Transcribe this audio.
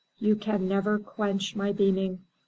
You can never quench my beaming.